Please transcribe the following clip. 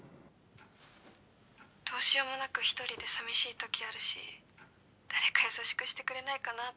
☎どうしようもなくひとりで寂しい時あるし☎誰か優しくしてくれないかなって